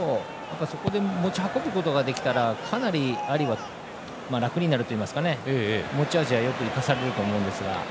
そこで持ち運ぶことができたらかなりアリは楽になるといいますか持ち味が生かされると思うんですが。